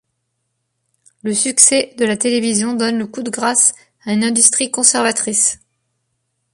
Le succès de la télévision donne le coup de grâce à une industrie conservatrice.